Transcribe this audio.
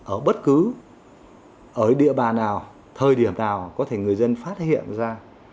ở bất cứ địa bà nào thời điểm nào có thể người dân phát hiện ra